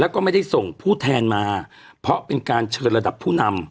แล้วก็ไม่ได้ส่งผู้แทนมาเพราะเป็นการเชิญระดับผู้นำ